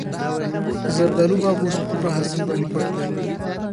د زردالو باغ اوس په پوره حاصل باندې پټ دی.